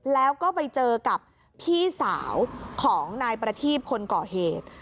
แล้วก็ไปเจอกับพี่สาวของนายประทีบคนก่อเหตุ